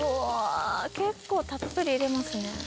うわ結構たっぷり入れますね。